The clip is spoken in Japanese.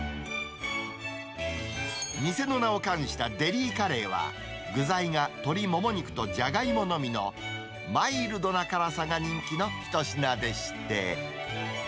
店の名を冠したデリーカレーは、具材が鶏もも肉とじゃがいものみのマイルドな辛さが人気の一品でして。